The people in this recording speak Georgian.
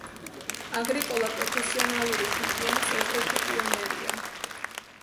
აგრიკოლა პროფესიონალური ჰიგიენის ერთ-ერთი პიონერია.